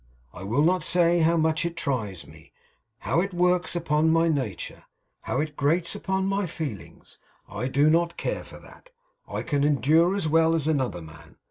I will not say how much it tries me; how it works upon my nature; how it grates upon my feelings. I do not care for that. I can endure as well as another man.